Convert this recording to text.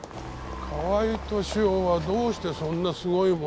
河合敏夫はどうしてそんなすごいものを彼女に。